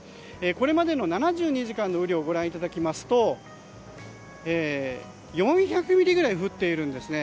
これまでの７２時間の雨量をご覧いただきますと４００ミリぐらい降っているんですね。